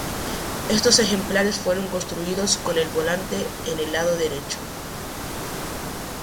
Estos ejemplares fueron construidos con el volante en el lado derecho.